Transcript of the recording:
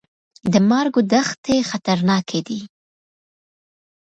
د مارګو دښتې خطرناکې دي؟